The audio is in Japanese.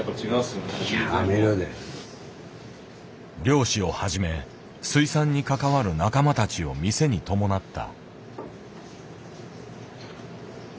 漁師をはじめ水産に関わる仲間たちを店に伴った。